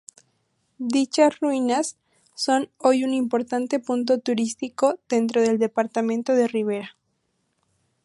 Dichas ruinas son hoy un importante punto turístico dentro del departamento de Rivera.